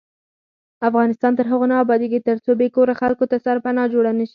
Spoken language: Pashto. افغانستان تر هغو نه ابادیږي، ترڅو بې کوره خلکو ته سرپناه جوړه نشي.